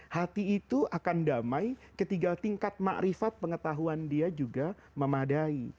hati itu akan damai ketika tingkat ma'rifat pengetahuan dia juga memadai